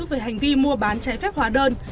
về hành vi mua bán trái phép hóa đơn